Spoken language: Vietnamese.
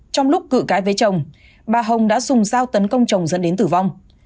trong lúc cự cãi với chồng bà hồng đã dùng dao tấn công chồng dẫn đến tử vong